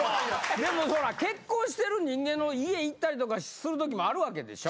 でもほら結婚してる人間の家行ったりとかする時もあるわけでしょ？